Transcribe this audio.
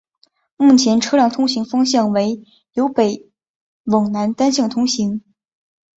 目前车辆通行方向为由北往南单向通行。